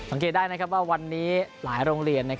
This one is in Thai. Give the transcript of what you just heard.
สังเกตได้ว่าวันนี้หลายโรงเรียน